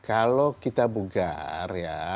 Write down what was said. kalau kita bugar ya